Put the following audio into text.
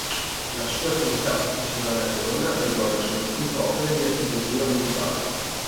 La sua attività professionale a Verona riguarda soprattutto opere di architettura militare.